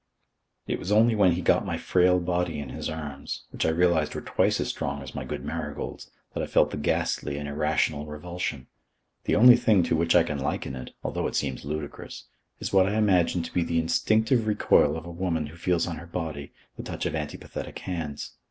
It was only when he got my frail body in his arms, which I realized were twice as strong as my good Marigold's, that I felt the ghastly and irrational revulsion. The only thing to which I can liken it, although it seems ludicrous, is what I imagine to be the instinctive recoil of a woman who feels on her body the touch of antipathetic hands.